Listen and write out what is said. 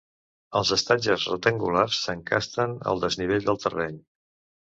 Els estatges rectangulars s'encasten al desnivell del terreny.